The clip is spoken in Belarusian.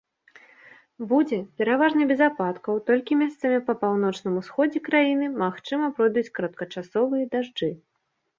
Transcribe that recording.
Будзе пераважна без ападкаў, толькі месцамі па паўночным усходзе краіны, магчыма, пройдуць кароткачасовыя дажджы.